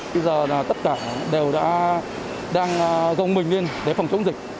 bây giờ là tất cả đều đã đang dồng mình lên để phòng chống dịch